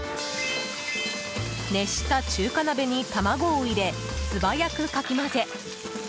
熱した中華鍋に卵を入れすばやくかき混ぜ